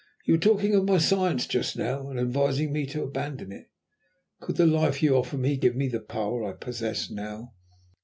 You were talking of my science just now, and advising me to abandon it. Could the life you offer me give me the power I possess now?